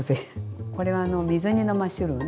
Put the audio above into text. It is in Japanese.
これはあの水煮のマッシュルーム。